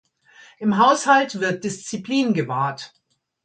Im Haushalt wird Disziplin gewahrt.